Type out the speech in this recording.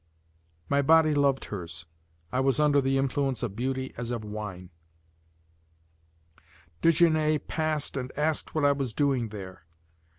My body loved hers, I was under the influence of beauty as of wine. Desgenais passed and asked what I was doing there.